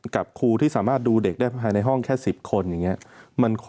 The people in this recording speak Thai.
กับครูที่สามารถดูเด็กได้ภายในห้องแค่๑๐คนอย่างนี้